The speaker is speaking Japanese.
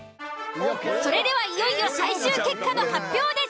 それではいよいよ最終結果の発表です。